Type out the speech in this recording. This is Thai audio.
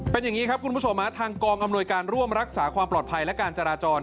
เป็นอย่างนี้ครับคุณผู้ชมทางกองอำนวยการร่วมรักษาความปลอดภัยและการจราจร